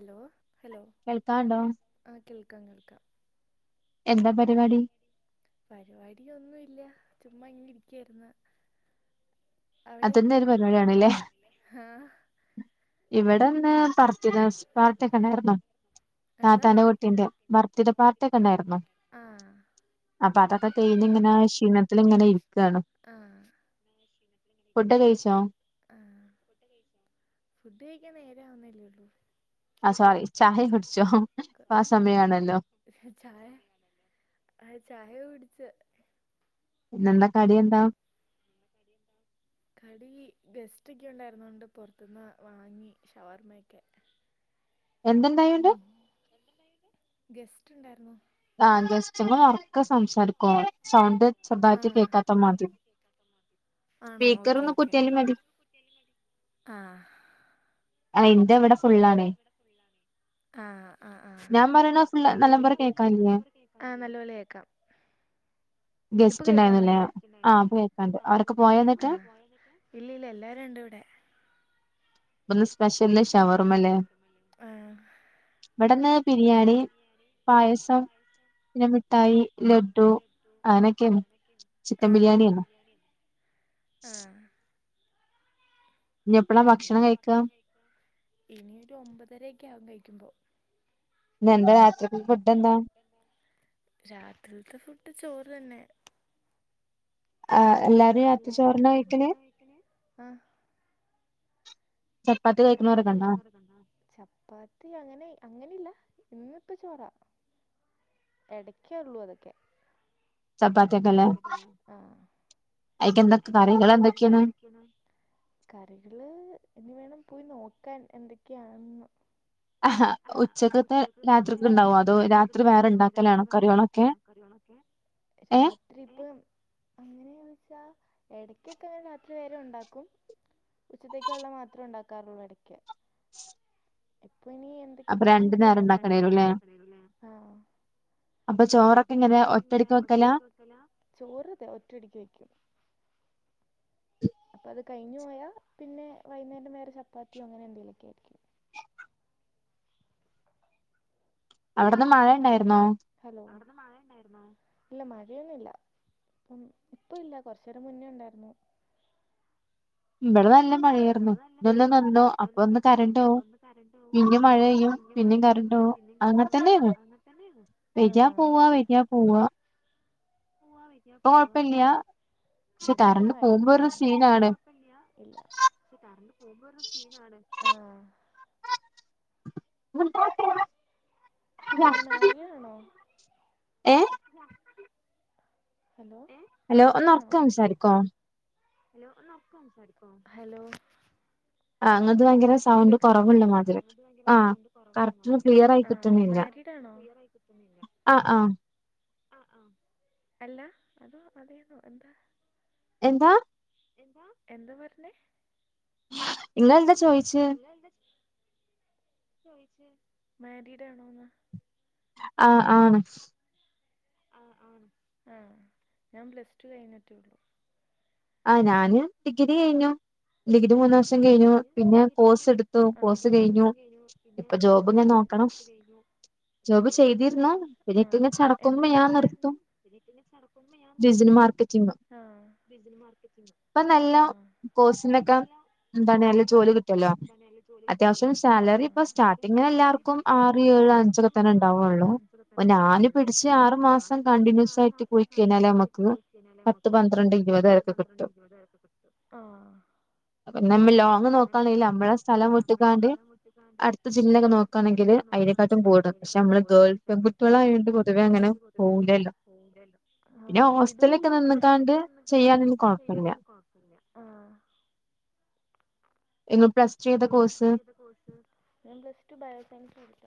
Hello കേൾക്കാണ്ടോ? കേൾക്കാം കേൾക്കാം. എന്താ പരിപാടി? പരിവാടി ഒന്നും ഇല്ല. ചുമ്മാ ഇങ്ങനിരിക്കുവാര്ന്ന്. അതന്നെ ഒരു പരിപാടിയാണ്ല്ലേ ആ ഇവിടന്ന് ബർത്തി ഡേസ് പാർട്ടിക്കെണ്ടായ്രുന്ന്. എന്താ താത്താന്റെ കുട്ടീന്റെ ബർത്ഡേ പാർട്ടീക്കൊണ്ടായിരു ന്നു. ആ അപ്പ അതൊക്കെ കയിഞ്ഞിങ്ങനെ ഷീണത്തിലിങ്ങനെ ഇരി ആ ഫുഡ്ഡ് കയിച്ചോ ആ ഫുഡ് കയിക്കാൻ നേരാ വുന്നല്ലേ ഉള്ളൂ ആ സോറി ചായ കുടി ഇപ്പൊ ആ സമയമാണല്ലോ ചായ ആ ചായ കുടിച്ച് പിന്നെന്താ കടി എന്താ കടി ഗെസ്റ്റൊക്കെ ഉണ്ടായിരുന്നോണ്ട് പൊറത്തൂന്ന് വാങ്ങി ഷവർമ്മ ഒക്കെ എന്തൊണ്ടായോണ്ടെ ഗെസ്റ്റ് ഉണ്ടാരുന്നു ആ ജസ്റ്റൊന്നെ ഒറക്കെ സംസാരിക്കോ സൗണ്ട് ആ ചെറ്തായിറ്റ് കേക്കാത്ത മാതിരി ആണോ സ്പീക്കർ ഓക്കെ ഒന്ന് ഓക്കെ കുത്തിയാലും മതി ആ ആ എന്റവിടെ ഫുള്ളാണേ ആ ആ ആ ഞാൻ പറയണ ഫുള്ള് നല്ലം പോലെ കേൾക്കാനില്ലേ ആ നല്ലപോലെ കേക്കാം ഇപ്പ ഗസ്റ്റ് ഉണ്ടായിരുന്നില്ലേ കേൾക്കാമോന്റ ആ അപ്പൊ കേക്കാണ്ട് അവരൊക്കെ പോയോന്നിട്ട് ആ ഇല്ലില്ല എല്ലാരുണ്ടിവിടെ ഇന്നെ സ്പെഷ്യല് ഷവർമല്ലേ ആഹ് ഇവിടിന്ന് ബിരിയാണി പായസം പിന്നെ മിഠായി ലഡു അങ്ങനൊക്കെയാണെ ചിക്കൻ ബിരിയാണിയാണോ ആ ഇനി എപ്പളാ ഭക്ഷണം കഴിക്കാ ഇനിരു ഒമ്പതരൊക്കെ ആകും കഴിക്കുമ്പോ [inaudible] [inaudible] ഇനി എന്താ രാത്രിക്ക് ഫുഡ് എന്താ രാത്രില്ത്ത ഫു ഡ് ചോറ് തന്നെ ആ എല്ലാരും രാത്രി ചോറിനാ കഴിക്കല് ആ ചപ്പാത്തി കഴിക്കണോരൊക്കെ ഉണ്ടോ ചപ്പാത്തി അങ്ങനെ അങ്ങനില്ല ഇന്നിപ്പ ചോറാ എടയ്ക്കേ ഉള്ളൂ അതൊക്കെ ചപ്പാത്തിയൊക്കെല്ലേ ആ അയിക്കെന്തൊക്കെ [inaudible] കറികൾ എന്തൊക്കെയാണ് കറികളെന്തൊക്കെയാണ് കറികള് എന്ന വേണം പോയി നോക്കാൻ എന്തൊക്കെയാണെന്ന് ആ ഉച്ചക്കത്തെ രാത്രിയ്ക്കൊണ്ടാവുമോ അതോ രാത്രി വേറെ ഉണ്ടാക്കലാണോ കറികളൊക്കെ ഏ രാത്രിലെ [inaudible] എങ്ങനച്ചാ എടക്കൊക്കെ അങ്ങനെ രാത്രി വേറെ ഉണ്ടാക്കും ഉച്ചയ്ക്കത്തേക്കുള്ള മാത്രേ ഉണ്ടാക്കാറുള്ളൂ ഇടക്ക് ഇപ്പൊ ഇനി അപ്പൊ എന്തൊക്കെയാന്ന് രണ്ടു പോയി നേരം ഉണ്ടാക്കണേരുല്ലേ [unintelligible] അപ്പൊ ചോറൊക്കെ ഇങ്ങനെ ഒറ്റടിക്ക് വെക്കലാ ചോറെ ഒറ്റടിക്ക് വെക്കും [inaudible] അപ്പൊ അത് കഴിഞ്ഞു പോയാ പിന്നെ വൈകുന്നേരം വേരെ ചപ്പാത്തിയോ അങ്ങനെ എന്തേലൊക്കെ ആയിരിക്കും അവിടന്ന് മഴ ഇണ്ടായിരുന്നോ ഹലോ അവിടുന്ന് ഇല്ല മഴയൊന്നുല്ല അപ്പം ഇപ്പം ഇല്ല കൊറച്ച് നേരം മുന്നേ ഉണ്ടായിരുന്നു എബടെ നല്ല മഴയാർന്നു [unintelligible] അപ്പൊ ഒന്ന് കറണ്ടോവും പിന്നെ മഴ പെയ്യും പിന്നേം കറണ്ടോവ് [unintelligible] വരിക പോവാ വരിക ആ [inaudible] ഇപ്പൊ കൊഴപ്പില്യ അവിടെ ഇപ്പ മഴയൊന്നുല്ല അങ്ങനെ ഇപ്പം കൊഴപ്പില്യ ഇല്ല ആ [unintelligible] പിന്നെ മാരീഡ് ആണോ ഏ ഹലോ ഹലോ മാരീഡ് ആണോ ഒന്നോർക്കേ സംസാരിക്കോ ഹലോ ആ അങ്ങ കേക്കാമോ ആ ആ കറക്റ്റ് ക്ലിയർ ആയി കിട്ടുന്നില്ല മാരിഡ് ആണോ കുട്ടുന്നില്ല ആ ആ ആ ആ അല്ല അതോ അതേന്നോ എന്താ എന്താ എന്താ പറഞ്ഞേ ഇങ്ങൾന്താ മാരിഡ് ആണോന്ന് അ ആണ് ആ ഞാൻ പ്ലസ് ടു കഴിഞ്ഞിട്ടെള്ളു ആ ഞാന് ഡിഗ്രി കഴിഞ്ഞു ഡിഗ്രി മൂന്ന് വർഷം കഴിഞ്ഞു പിന്നെ കോസെടുത്തു കോസ് കഴിഞ്ഞു ഇപ്പൊ ജോബ് ഞാൻ നോക്കണം സ് കയിഞ്ഞു ജോബ് ചെയ്തിരുന്നു പിന്നെ ആ ഇക്ക ഇങ്ങനെ എന്താ ചടക്കുമ്പോ ഞാൻ പഠിച്ചേ നിർത്തും ഡിജിറ്റൽ മാർക്കറ്റിംഗ് ആ ഇപ്പൊ ആ ആ എന്താത് ല്ല ജോലി കിട്ടുല്ലോ അത്യാവശ്യം ആ സാലറി ഇപ്പ സ്റ്റാർട്ടിങ്ങ് എല്ലാർക്കും ആറ് ഏഴ് അചൊക്കെത്തന്നെ ഉണ്ടാവുള്ളൂ ഇപ്പം ഞാന് പിടിച്ച് ആറു മാസം കണ്ടിന്യൂസ് ആയിട്ട് പൊയി കഴിഞ്ഞാലെ നമ ഉം പത്ത് പന്ത്രണ്ട് ഇരുപത് കിട്ടും ആ പിന്നെമാ ലോങ് നോക്കാണെങ്കിൽ നമ്മളെ സ്ഥലം വിട്ട്കാണ്ട് അടുത്ത ജില്ലൊക്കെ നോക്കാണെങ്കില് അയിലെ അതിനെക്കാട്ടും കൂടുതൽ കിട്ടും പക്ഷെ നമ്മള് ഗേൾസും പൊതുവെ അങ്ങനെ കുട്ടിയോളായൊണ്ട് പൊതുവെ അങ്ങനെ പോവൂല്ലല്ലോ ഹ ഹോസ്റ്റലൊക്കെ നിന്ന്ക്കാണ്ട് ചെയ്യാന [inaudible] ആ ഇങ്ങൾ പ്ലസ് ടു ഏതാ പ്ലസ് കോഴ്സ് ടു ഏതാ കോഴ്സ് ഞാൻ പ്ലസ് ടു ബയോസൻസ് ആരുന്നു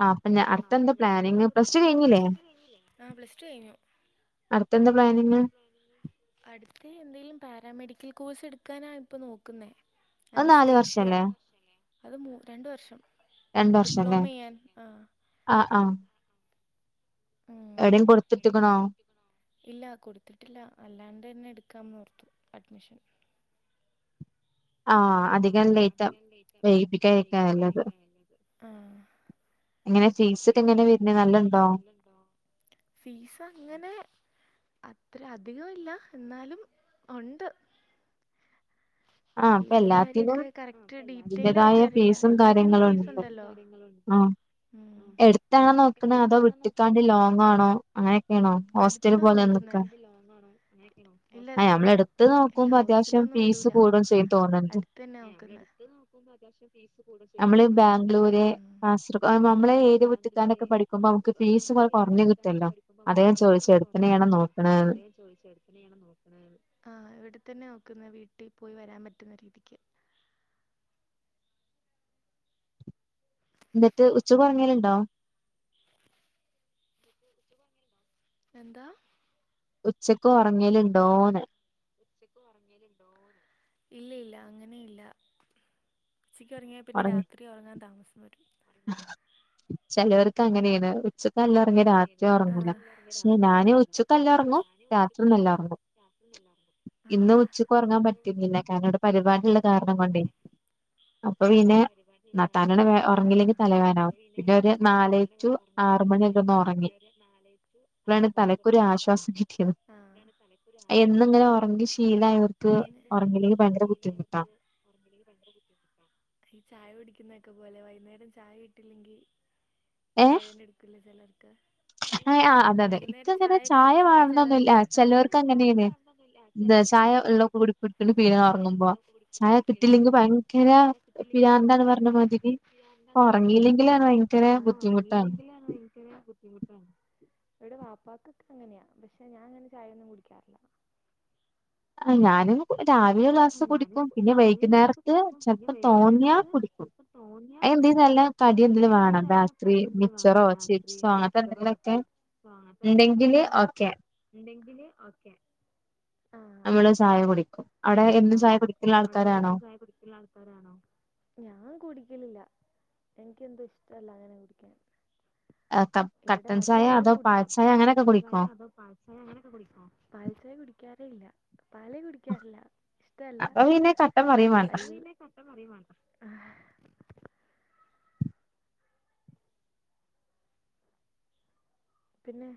ആ അപ്പ ഞാ ആ അടുത്ത അപ്പൊ എന്താ അടുത്ത പ്ലാനിങ് എന്താ പ്ലസ് ടു പ്ലാനിങ് കഴിഞ്ഞില്ലേ പ്ലസ് ടു കഴിഞ്ഞില്ലേ ആ പ്ലസ് ടു കഴിഞ്ഞു അടുത്ത എന്താ പ്ലാനിങ് അടുത്ത എന്തേലും പാരാമെഡിക്കൽ കോഴ്സ് എടുക്കാനാ ഇപ്പൊ നോക്കുന്നേ അത് നാല് അനസ്തേഷ്യോ വർഷല്ലേ അത് മൂ രണ്ട് വർഷം രണ്ട് വർഷല്ലേ ഡിപ്ലോമ ചെയ്യാൻ ആ ആ ആ ഉം എവിടേം കൊടുത്തിട്ട്ക്ക്ണോ ഇല്ല കൊടുത്തിട്ടില്ല അല്ലാണ്ട് തന്നെ എട് ക്കാനോർത്ത് അഡ്മിഷൻ ആ ആ അധികം ലേറ്റ് അധികം ലേറ്റ് വൈകിപ്പിക്കായിരിക്കാ നല്ലത് ലയിപ്പിക്കാതിരിക്ക നല്ലത് ആ എങ്ങനെ ഫീസ് ഒക്കെ എങ്ങനെ വരുന്ന നല്ല ഉണ്ടോ ഫീസ് അങ്ങനെ അത്ര അധികം ഇല്ല എന്നാലും ഉണ്ട് ആ ഇപ്പ ഫീസിന്റെ എല്ലാത്തിനും കാര്യൊക്കെ കറക്റ്റ് ഡീറ്റെൽ ഇതിന്റേതായ ആയിട്ട് അറിയില്ല ഫീസും എല്ലാത്തിനും കാര്യങ്ങളും ഫീസ് ഉണ്ട് ഉണ്ടല്ലോ ആ ഉം എടുത്താണോ നോക്കണ അതോ വിട്ടിക്കാണ്ട ലോങ്ങ ആണോ അങ്ങനെയൊക്കെയാണോ ഹോസ്റ്റൽ പോലെന്ന ആ നമ്മളെടുത്ത് ല്ല നോക്കുമ്പോ അത്യാവശ്യം ഹോസ്റ്റലിലൊന്നും ഫീസ് വിടൂല കൂടും ചെയ്യും തോന്നുന്നുണ്ട് അടുത്ത തന്നെ നോക്കുന്ന ഉം നമ്മള ഏരിയ വിട്ട്കാണ്ടൊക്കെ കപഠിക്കുമ്പോ നമുക്ക് ഫീസ് കുറഞ്ഞു കിട്ടുമല്ലോ അതാ ചോദിച്ചെടു ആ ഇവിടെത്തന്നെ നോക്കുന്നത് വീട്ടിൽ പോയി വരാൻ പറ്റുന്ന രീതിക്ക് എന്നിട്ട് ഉച്ചക്ക് ഒറങ്ങൽ ഉണ്ടോ എന്താ ഉച്ചക്ക ഉറങ്ങലണ്ടോന്ന ഇല്ല ഇല്ല അങ്ങനെയില്ല ഉച്ചിക്ക് ഉറങ്ങാൽ പിന്നെ രാത്രി ഉറങ്ങാൻ താമസം വരും ചിലവർക്ക് അങ്ങനെയാണ് ഉച്ചക്കല്ല ഇറങ്ങി രാത്രി ഉറങ്ങൂല പക്ഷെ ഞാന് ഉച്ചക്കല്ല ഇറങ്ങും രാത്രി ന്നല്ല ഒറങ്ങും ഇന്ന് ഉച്ചക്ക്ഉറങ്ങാൻ പറ്റുന്നില്ല കാരാനോടെ പരിപാടള്ള കാരണം കൊണ്ടേ അപ്പൊ പിന്നെ [unintelligible] വ ഉറങ്ങില്ലെങ്കിൽ തലവെനാവും പിന്നെ ഒരു നാല് ടു ആറ് ന്ന മണിയൊക്കെ ഒന്ന് ഉറങ്ങി ന അപ്പോഴാണ് ആറുമണിയക്കെ ഒ തലക്കൊരു ഉറങ്ങി ത ആശ്വാസം [unintelligible] കിട്ടിയത് ആ അപ്പോഴാണ് തലക്ക് ഒരു ആശ്വാസം എന്നിങ്ങനെ ഉറങ്ങി ശീലായവർക്ക് ഉറങ്ങിലേക്ക് ഭയങ്കര ബുദ്ധിമുട്ടാണ് ഈ ചായ കുടിക്ക് വെയ് ന്നൊരോക്കെ പോലെ വൈകുന്നേരം ചായ കിട്ടില്ലെങ്കിൽ തലവേണ്ട എടുക്കില്ല ചിലർക്ക് അ ആ അതെ അതെ ഇക്ക വൈകുന്നേരം അങ്ങനെ ചായയൊക്കെ ചായ വണൊന്നുമില്ല ആഹ് ചിലർക്ക് അങ്ങനെയനെ എന്താ ചായ ഉള്ളൊക്കെ കുടിക്ക കുിക്കണ്ട് പീഴ അങ്ങനെയാണ് ഉറങ്ങുമ്പോ ചായ കിട്ടില്ലെങ്കിൽ ഭയങ്കര പിരാന്താണ് പറഞ്ഞ മാതിരി ഉറങ്ങിയില്ലെങ്കിലാണ് ഭയങ്കര ആ ബുദ്ധിമുട്ടാണ് ഉറങ്ങിയില്ലെങ്കിൽ ഇനിക്കന ബുദ്ധിമുട്ടാ ഇവിടെ വാപ്പാക്കൊക്കെ അങ്ങനെയാ പക്ഷെ ഞാൻ അങ്ങനെ ചായയൊന്നും കുടിക്കാറില്ല ആ ഞാന [unintelligible] രാവിലെ ഒരു ക്ലാസ്സ് കുടിക്കും പിന്നെ വൈകുന്നേരത്ത് ചെലപ്പോം തോന്നിയാ കുടിക്കും അ നല്ല കടി ആഹ് എന്തെങ്കും വേണം ബേക്കറി മിച്ചറോ ചിപ്സോ അങ്ങനത്തെ എന്തെങ്കിലുമൊക്കെ ഉണ്ടെങ്കില് ഓക്കെ ഉണ്ടെങ്കില് ഓക്കെ നമ്മള് ചായ കുടിക്കും അവിടെ നമ്മള് എന്നും ചായ കുടിക്കും കുടിക്കുന്ന അവിടെ ആൾക്കാരാണോ എന്നും ചായ കുടിക്കുള്ള ആൾക്കാരാണോ ഞാൻ കുടിക്കലില്ല എനക്ക് എന്തും ഇഷ്ടംല്ല അങ്ങനെ കുടിക്കൻ ആ ഇവിടെ ബാക്കി എല്ലാരും കുടിക്കാം അങ്ങനെയൊക്കെ കട്ടൻ ചായ കുടിക്കോ അത പാൽച്ചായ അങ്ങനെയൊക്കെ കുടിക്കോ പാൽച്ചായ കുടിക്കാ യില്ല പാല് കുടിക്കാറില്ല ഇഷ്ട അല്ല അപ്പൊ പിന്നെ കട്ടൻ പറയും വേണ്ട പിന്നെ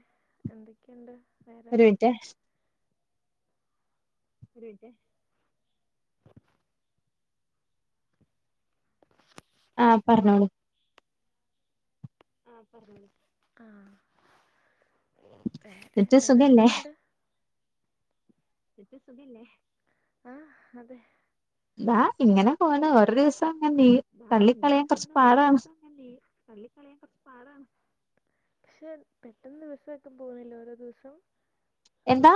എന്തൊക്കെയുണ്ട് വേറെ ഒരു മിനിറ്റ് ഒരു മിനിറ്റ് ആ പറഞ്ഞോളൂ ആ പറഞ്ഞോളൂ ആ എന്നിട്ട് സുഖല്ലേ എന്നിട്ട് സുഖല്ലേ ആ അതെ എന്നാ ഇങ്ങനെ പോന്ന് ഓരോ ദിവസം അങ്ങനെ നീ ഇാതാ ഇങ്ങനെ തള്ളിക്കളയാൻ കുറച്ച് പോണ് ഓരോ പാടാണ് ദിവസം അങ്ങനെ ലീ തള്ളിക്കളിയാൻ കൊറ്ച്ച് പാടാണ് പക്ഷെ പെട്ടെന്ന് ദിവസൊക്കെ പോണ്ല്ലെ ഓരോ ദിവസം എന്താ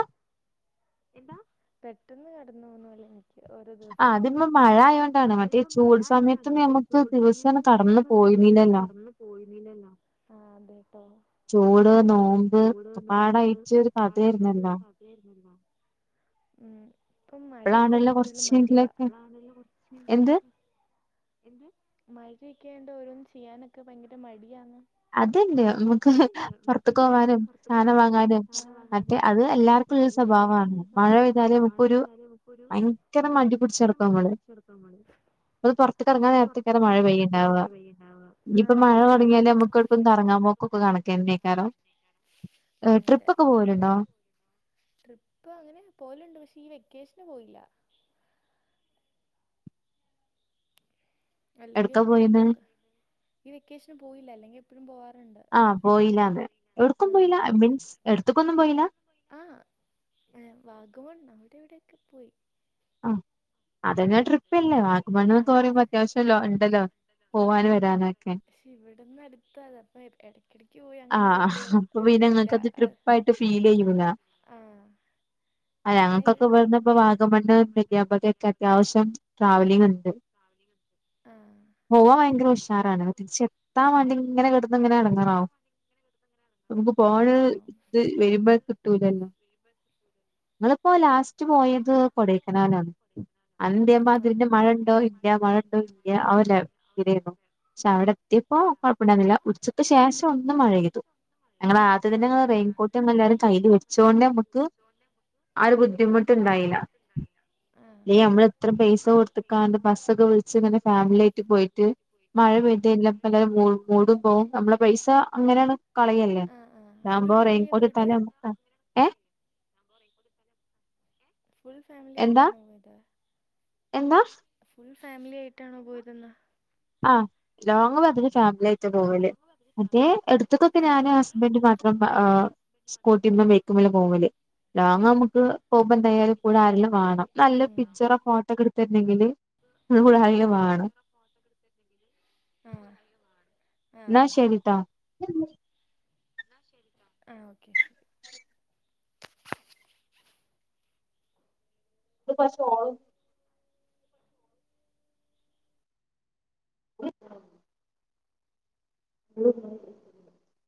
എാന്താ പെട്ടൊന്ന് കടന്ന് പോന്നോലെല്ലേ ആ അതിപ്പം മഴ ആയോണ്ടാണ് മറ്റേ ചൂട് സമയത്തൊന്നും നമ്മക്ക് ദിവസം ആണ്ട് കടന്നു പോയി ദിവസാണ്ട് കടന്ന് പോയിര്ന്നില്ലല്ലോ ആ അതെ ചൂട് നോമ്പ് ഒക്കെപാടായിട്ട് ഒരു കഥയ്ര്ന്നല്ലോ ഉം ഇപ്പം മഴൊക്കെയാണ്ട് കൂടുതൽ മടിയാ കുറച്ചെങ്കിലൊക്കെ എന്ത് എന്ത് മഴൊക്കേയോണ്ട് ഓരോന്ന് ചെയ്യാനൊക്കെ ഭയങ്കര മടിയാണന്ന് അതെല്ല നമുക്ക് പൊറ്ത്ത്ക്ക്പോവാനും സാധനം വാങ്ങാനും മറ്റേ അത് എല്ലാർക്കും സ്വഭാവാണ് സ്വഭാവാണ് മഴ പെയ്താല് നമുക്കൊരു ഭയങ്കര മടി പിടിച്ച് ഭയങ്കര നടക്കും മടി നമ്മള് പിട്ച്ച്ക്കെട്ക്കാ [unintelligible] അത് പൊറ്ത്ത്ക്കെറ്ങ്ങാൻ നേരത്തെയ്ക്കാരം മഴ പെയ്യ്ണ്ടാവ ഇനിപ്പം മഴ ഇനിയിപ്പോ തൊടങ്യാല്നമ്മക്ക് ക്കൊട്ക്കും കറങ്ങാൻ പോക്കൊക്കെ കണക്കെന്നെയ്ക്കാരം [unintelligible] അതെ അതെ ട്രിപ്പ് ഒക്കെ പോവലുണ്ടോ ട്രിപ്പ് അങ്ങനെ പോലുണ്ട് പക്ഷെ ഈ വെക്കേഷന് പോയില്ല അല്ലെങ്കിൽ എവിട്ക്കാ എപ്പഴും പോയിന്ന് പോക ഈ വെക്കേഷന് പോയില്ല അല്ലെങ്കിൽ എപ്പഴും പോവാറ് ആഹ് പോയില്ലാന്ന് എവ്ട്ക്കും ആഹ് പോയില്ല മീൻസ് എടുത്ത്ക്കൊന്നും പോയില്ല ആഹ് ഏ വാഗമൺ അവിടെ ഇവിടെക്കെ പോയി ആ അതെന്നെ ട്രിപ്പല്ലേ ആഹ് വാഗമണ്ണ്ന്നൊക്കെപറയുമ്പോ അത്യാവശ്യ ല്ലോ ഉണ്ടല്ലോ പോവാൻ വരാന് പക്ഷെ ഇവിടന്ന് അടുത്ത് അതാ അപ്പൊ ഏ ആഹ് അപ്പൊ പിന്നെ ഇങ്ങക്കത് ട്രിപ്പായിട്ട് ഫീൽ ചെയ്യൂല ആഹ് അതെ ഇവിടെ ഞങ്ങൾക്കൊക്കെ ഇവെട്ന്ന്പ്പോ ഇപ്പോ വാഗമണ്ണ് നെല്ല്യാംപതിഒക്കെ കിട്ടിയപ്പോഴേക്ക് അത്യാവശ്യം ട്രാവലിങ് ഉണ്ട് ആഹ് പോവാൻ ഭയങ്കര ഉഷാറാണ് തിരിച്ച് താൻ വണ്ടി ഇങ്ങനെ കിടുന്ന ഇങ്ങനെ എടങ്ങേറാകും നമുക്ക് പോണ് ആഹ് ഇത് വരുമ്പോ കിട്ടൂലല്ലോ നിങ്ങളപ്പോ ലാസ്റ്റ് സ്റ്റ്പോയത് കൊടൈക്കനാലാണ് അന്തേ ആഹ് മാതിരിന്റെ മഴണ്ടോ ഇല്ല്യ മഴണ്ടോ ഇല്ല്യ [unintelligible] പക്ഷെ അവിടെ എത്തിയപ്പോ കൊഴപ്പുണ്ടായിന്നില്ല ഉച്ചക്ക് ശേഷം മഴെയ്തു ഞങ്ങള ആദ്യ തന്നെ ഞങ്ങളെ റെയിൻകോട്ട് അതുപിന്നെ എല്ലാരും കയ്യിൽ വെച്ചോണ്ട് നമുക്ക് ആ ഒരു ബുദ്ധിമുട്ടുണ്ടായില്ല ല്ലേ ആഹ് നമ്മള് ഏത്ര പൈസ കൊടുത്ത്ക്കാണ്ട് ബസ്സൊക്കെ വിളിച്ച് ഇങ്ങനെ ഫാമിലി ആയിട്ട് പോയിട്ട് മഴപെയ്ത് കഴിഞ്ഞാൽ പ്പെല്ലാരുടെ മൂട പോകും നമ്മളെ പൈസ [unintelligible] കളയെല്ലേ ആഹ് ആഹ് ഫുൾ ആതാകുമ്പോ ഫാമിലിയാ റെയിൻകോട്ട് പോയിട്ട് ഇട്ടാലും നമ്മക്ക് ഏ [unintelligible] ഫുൾ ഫാമിലി എന്താ ആയിട്ടാണോ പോയത് എന്താ ഫുൾ ഫാമിലി ആയിട്ടാണോ പോയിര്ന്നെ ആഹ് ലോങ് വരല് ഫാമിലി ആയിട്ട് പോവല് അതെ എട്ത്ത്ക്കൊക്കെ ഞാന് ആഹ് ഹസ്ബൻഡ് മാത്രം അ് സ്കൂട്ടിമ്മെ ബയ്ക്കുമ്മല് പോവല് ലോങ്ങ് നമ്മക്ക് പോകുമ്പംന്തായാലും കൂടെ ആരെലും വാണം നല്ല ഉം പിക്ച്ചറോ ഫോട്ടോക്കട്ത്തെടര്ണെങ്കില് നമ്മളെ കൂടെ ആരെങ്കിലും വാണം ആഹ് ന്നാ ആഹ് ശരിട്ടാ ആഹ് ഓക്കെ ശരി ഇത് പക്ഷ ഓള് ഉം ഉം